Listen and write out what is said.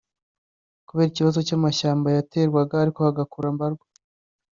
kubera ikibazo cy’amashyamba yaterwaga ariko hagakura mbarwa